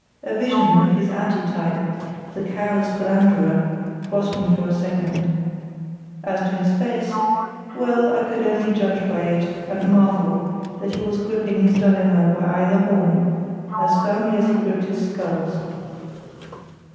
A vision of his antitype, the Cowes Philanderer, crossed me for a second. As to his face—well, I could only judge by it, and marvel, that he was gripping his dilemma by either horn, as firmly as he gripped his sculls.